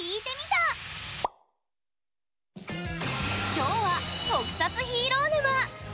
今日は「特撮ヒーロー沼」。